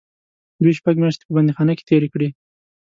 دوی شپږ میاشتې په بندیخانه کې تېرې کړې.